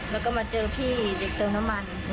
แล้วก็มาเจอพี่เด็กเติมน้ำมัน